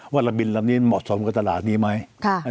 ระบินลำนี้เหมาะสมกับตลาดนี้ไหม